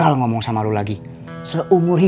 apa kasar kamu pada saat ini